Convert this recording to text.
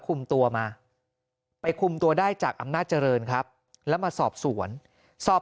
คุมตัวมาไปคุมตัวได้จากอำนาจเจริญครับแล้วมาสอบสวนสอบ